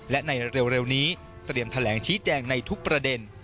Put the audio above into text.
และในเร็วนี้เตรียมแถลงชี้แจงในทุกประเด็น